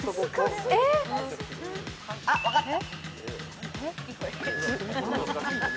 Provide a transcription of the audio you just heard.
えっ？あっ分かった。